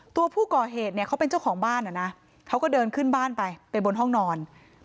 ตัวผู้ก่อเหตุเนี่ยเขาเป็นเจ้าของบ้านนะเขาก็เดินขึ้นบ้านไปไปบนห้องนอน